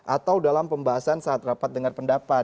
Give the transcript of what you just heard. atau dalam pembahasan saat rapat dengar pendapat